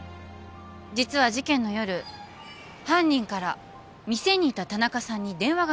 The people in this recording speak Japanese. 実は事件の夜犯人から店にいた田中さんに電話がありました。